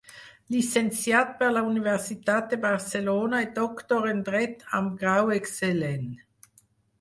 Llicenciat per la Universitat de Barcelona i doctor en dret amb grau excel·lent.